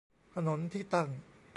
ถนนที่ตั้ง